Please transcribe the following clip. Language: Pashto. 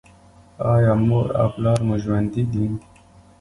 ایا مور او پلار مو ژوندي دي؟